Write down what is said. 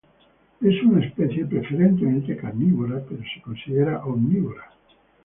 Es una especie preferentemente carnívora, pero se considera omnívora.